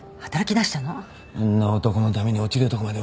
あんな男のために落ちるとこまで落ちる気か？